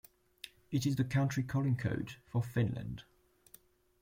It is the country calling code for Finland.